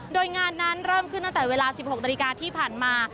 โดยงานนั้นเริ่มขึ้นตั้งแต่เวลา๑๖นาฬิกาที่ผ่านมา